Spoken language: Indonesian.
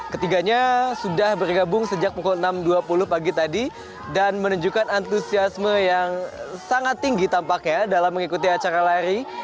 ketiganya sudah bergabung sejak pukul enam dua puluh pagi tadi dan menunjukkan antusiasme yang sangat tinggi tampaknya dalam mengikuti acara lari